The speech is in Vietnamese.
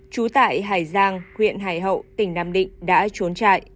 trú tại hải giang huyện hải hậu tỉnh nam định đã trốn chạy